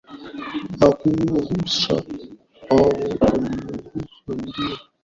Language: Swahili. kwa kuurusha au kumrushia mchezaji mwenzake wa timu yake aliye ndani ya uwanja